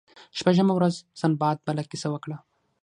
شپږمه ورځ سنباد بله کیسه وکړه.